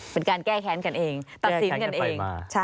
เป็นการแก้แค้นกันเองตัดสินกันเอง